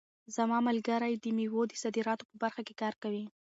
زما ملګری د مېوو د صادراتو په برخه کې کار کوي.